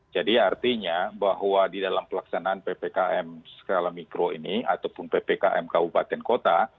jadi artinya bahwa di dalam pelaksanaan ppkm skala mikro ini ataupun ppkm kabupaten kota